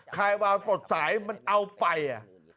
คลายวาวปลดสายมันเอาไปอะ